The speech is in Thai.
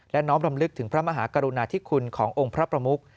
และน้อมรำลึกถึงพระมหากรุณาธิคุณขององค์พระประมุก